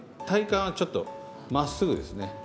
体幹はちょっとまっすぐですね。